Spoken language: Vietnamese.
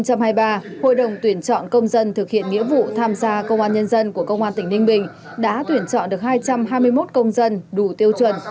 hội đồng tuyển chọn công dân thực hiện nghĩa vụ tham gia công an nhân dân của công an tỉnh ninh bình đã tuyển chọn được hai trăm hai mươi một công dân đủ tiêu chuẩn